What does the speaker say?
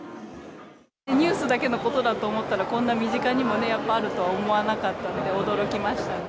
ニュースだけのことだと思ったら、こんな身近にもやっぱりあると思わなかったんで、驚きましたね。